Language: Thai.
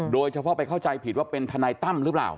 โดยเฉพาะไปเข้าใจผิดว่าเป็นทนายตั้มหรือเปล่า